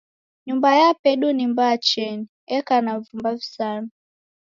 Nyumba yapedu ni mbaa cheni, eka na vumba visanu.